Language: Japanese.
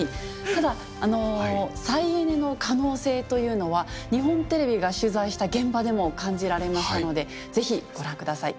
ただ再エネの可能性というのは日本テレビが取材した現場でも感じられましたのでぜひご覧ください。